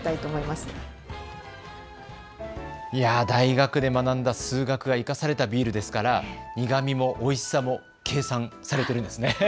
大学で学んだ数学が生かされたビールですから苦みもおいしさも計算されているんですね。